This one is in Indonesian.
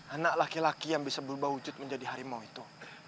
anak laki laki yang bisa berubah wujud menjadi harimau itu